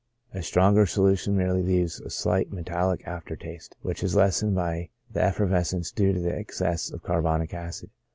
A stronger solution merely leaves a very slight metallic after taste, which is lessened by the effervescence due to the excess of carbonic acid.